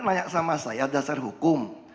nanya sama saya dasar hukum